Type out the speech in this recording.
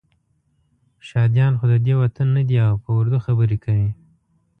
شهادیان خو ددې وطن نه دي او په اردو خبرې کوي.